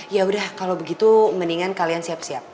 ya udah kalau begitu mendingan kalian siap siap